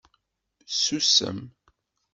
Susem.